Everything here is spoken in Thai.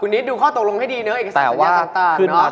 คุณนิดดูข้อตกลงให้ดีเนอะเอกสารสัญญาต่างเนอะ